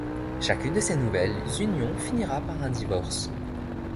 Chacune de ces nouvelles unions finira par un divorce.